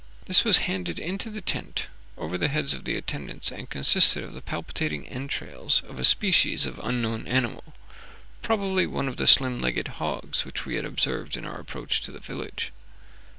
This was handed into the tent over the heads of the attendants, and consisted of the palpitating entrails of a specialis of unknown animal, probably one of the slim legged hogs which we had observed in our approach to the village.